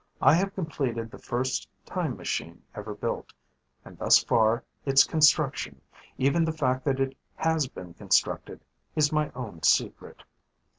I have completed the first time machine ever built and thus far, its construction, even the fact that it has been constructed, is my own secret.